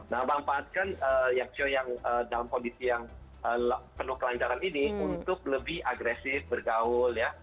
nah bantuan kan siwa yang dalam kondisi yang penuh kelanjangan ini untuk lebih agresif bergaul ya